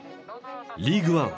リーグワン